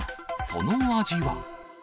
その味は？